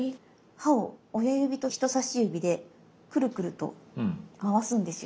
刃を親指と人さし指でクルクルと回すんですよ。